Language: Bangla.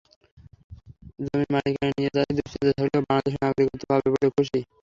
জমির মালিকানা নিয়ে তাঁদের দুশ্চিন্তা থাকলেও বাংলাদেশের নাগরিকত্ব পাবেন বলে খুশি।